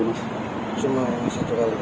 cuma satu kali